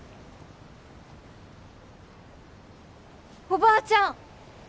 おばあちゃん！